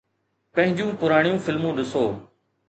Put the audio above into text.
پنهنجون پراڻيون فلمون ڏسو.